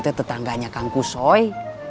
tetangganya kang kusoy